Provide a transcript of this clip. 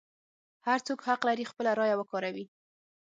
هر څوک حق لري خپله رایه وکاروي.